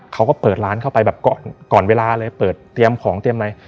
เขาก็เปิดร้านเข้าไปแบบก่อนเวลาเลยเปิดเตรียมของเตรียมอะไร